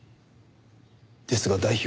ですが代表。